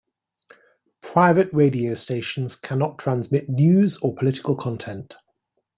Private radio stations cannot transmit news or political content.